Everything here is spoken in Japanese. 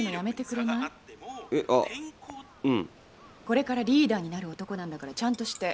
これからリーダーになる男なんだからちゃんとして。